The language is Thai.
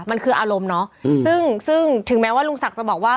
มันคืออารมณ์เนอะซึ่งซึ่งถึงแม้ว่าลุงศักดิ์จะบอกว่า